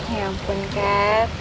ya ampun kat